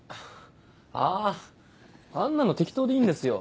ああんなの適当でいいんですよ。